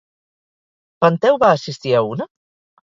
Penteu va assistir a una?